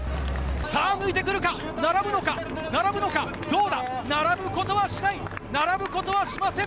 さあ、抜いてくるか、並ぶのか、並ぶのか、どうだ、並ぶことはしない、並ぶことはしません。